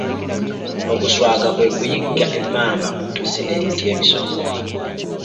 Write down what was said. Okuswaga kwe kwe kuyigga emmamba mu ttosi n'emiti emisongovu